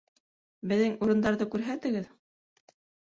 Беҙҙең урындарҙы күрһәтегеҙ?